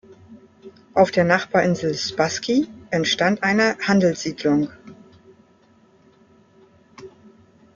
Auf der Nachbarinsel "Spasski" entstand eine Handelssiedlung.